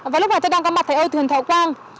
và lúc này tôi đang có mặt thầy âu thường thảo quang